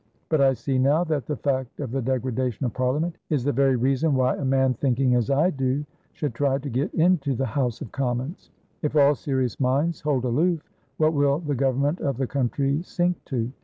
But I see now that the fact of the degradation of Parliament is the very reason why a man thinking as I do should try to get into the House of Commons. If all serious minds hold aloof, what will the government of the country sink to?